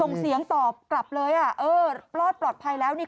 ส่งเสียงตอบกลับเลยอ่ะเออรอดปลอดภัยแล้วนี่